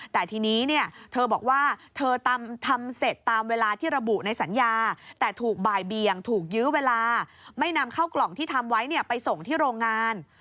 แต่ทีนี้เนี่ยเธอบอกว่าเธอทำเสร็จตามเวลาที่ระบุในสัญญาแต่ถูกบ่ายเบียงถูกยื้อเวลาไม่นำเข้ากล่องที่ทำไว้ไปส่งที่โรงงาน